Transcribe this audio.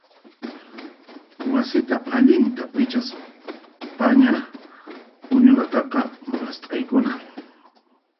Wasilla allinta pichaspaña puñunataqa mast'aykuna.